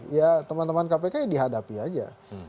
ya teman teman kpk ya dihadapi aja